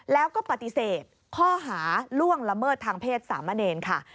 แล้วก็ปฏิเสธข้อหาล่วงละเมิดทางเพศสามเณรค่ะ